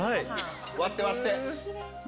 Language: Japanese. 割って割って。